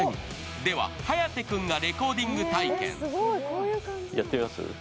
では颯君がレコーディング体験。